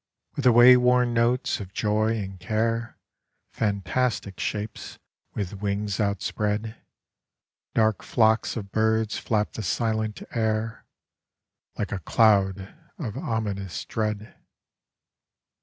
With the way worn notes of joy and care Fantastic shapes with wings outspread, Dark flocks of birds flap the silent air, Like a cloud of ominous dread.